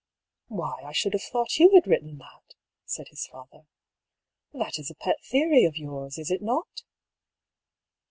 " Why, I should have thought you had written that," said his father. " That is a pet theory of yours, is it not?"